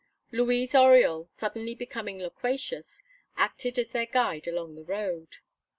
Louise Oriol, suddenly becoming loquacious, acted as their guide along the road.